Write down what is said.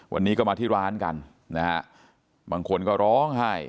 วันนี้ก็มาที่ร้านกันนะฮะบางคนก็ร้องไห้